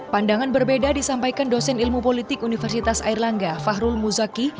pandangan berbeda disampaikan dosen ilmu politik universitas airlangga fahrul muzaki